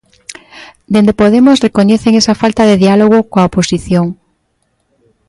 Dende Podemos recoñecen esa falta de diálogo coa oposición.